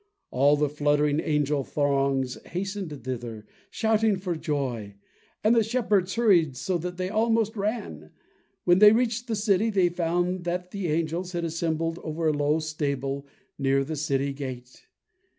All the fluttering angel throngs hastened thither, shouting for joy, and the shepherds hurried so that they almost ran. When they reached the city, they found that the angels had assembled over a low stable near the city gate.